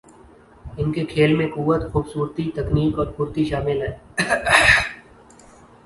ان کے کھیل میں قوت، خوبصورتی ، تکنیک اور پھرتی شامل ہے